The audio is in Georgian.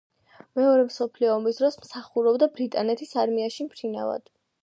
მეორე მსოფლიო ომის დროს მსახურობდა ბრიტანეთის არმიაში მფრინავად.